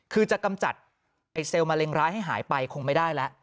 คือจะกำจัดไอ้เซลล์มะเร็งร้ายให้หายไปคงไม่ได้แล้ว